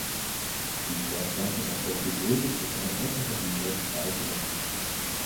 Die Fortpflanzung erfolgt gewöhnlich durch einfache binäre Spaltung.